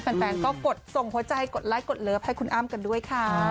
แฟนก็กดส่งหัวใจกดไลค์กดเลิฟให้คุณอ้ำกันด้วยค่ะ